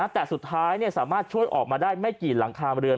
แต่สุดท้ายสามารถช่วยออกมาได้ไม่กี่หลังคาเรือน